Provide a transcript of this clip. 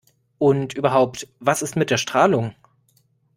Und überhaupt: Was ist mit der Strahlung?